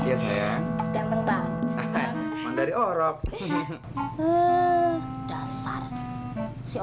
entah me erti